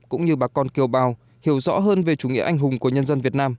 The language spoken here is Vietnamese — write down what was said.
cũng như bà con kiều bào hiểu rõ hơn về chủ nghĩa anh hùng của nhân dân việt nam